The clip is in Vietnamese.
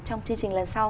trong chương trình lần sau